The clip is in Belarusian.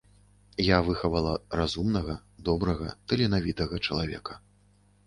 Я выхавала разумнага, добрага, таленавітага чалавека.